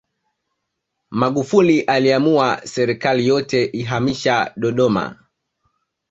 magufuli aliamua serikali yote ihamisha dodoma